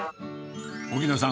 荻野さん